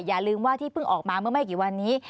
อย่าลืมว่าที่เพิ่งออกมาเมื่อไม่กี่วันนี้